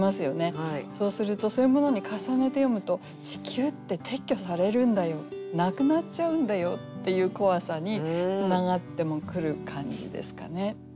そうするとそういうものに重ねて読むと地球って撤去されるんだよなくなっちゃうんだよっていう怖さにつながってもくる感じですかね。